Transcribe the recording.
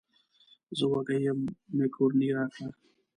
زه وږی یم مېکاروني راکړه.